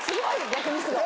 逆にすごい。